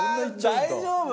大丈夫？